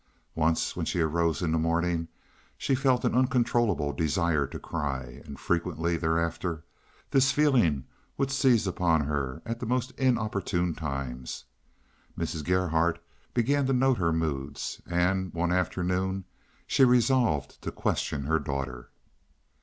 Once when she arose in the morning she felt an uncontrollable desire to cry, and frequently thereafter this feeling would seize upon her at the most inopportune times. Mrs. Gerhardt began to note her moods, and one afternoon she resolved to question her daughter.